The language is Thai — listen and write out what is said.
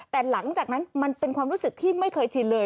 แต่หลังจากนั้นมันเป็นความรู้สึกที่ไม่เคยชินเลย